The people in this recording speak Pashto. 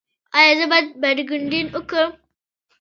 ایا زه باید باډي بلډینګ وکړم؟